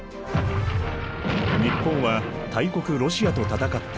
日本は大国ロシアと戦った。